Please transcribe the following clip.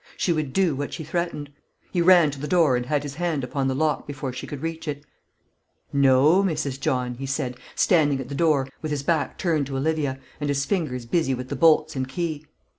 She would do what she threatened. He ran to the door and had his hand upon the lock before she could reach it. "No, Mrs. John," he said, standing at the door, with his back turned to Olivia, and his fingers busy with the bolts and key.